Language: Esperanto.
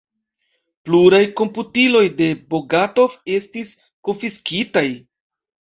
Pluraj komputiloj de Bogatov estis konfiskitaj.